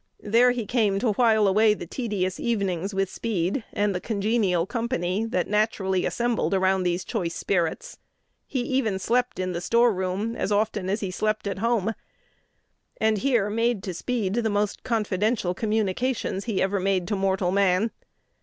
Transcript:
There he came to while away the tedious evenings with Speed and the congenial company that naturally assembled around these choice spirits. He even slept in the store room as often as he slept at home, and here made to Speed the most confidential communications he ever made to mortal man.